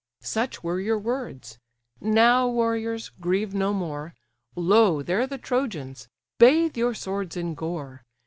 Such were your words—Now, warriors! grieve no more, Lo there the Trojans; bathe your swords in gore!